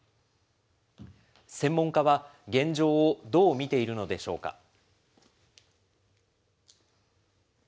専門家は、現状をどう見ているのでしょうか。